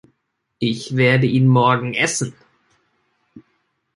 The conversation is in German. Ich werde ihn morgen essen.